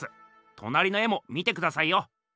となりの絵も見てくださいよ。